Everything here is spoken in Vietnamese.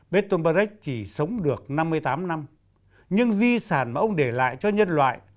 bertolt brecht chỉ sống được năm mươi tám năm nhưng di sản mà ông để lại cho nhân loại